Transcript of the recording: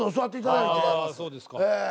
そうですね。